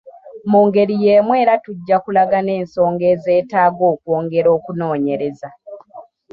Mu ngeri y’emu era tujja kulaga n’ensonga ezeetaaga okwongera okunoonyereza.